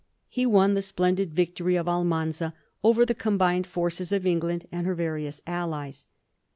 He won the splendid victory of Almanza over the combined forces of England and her various allies.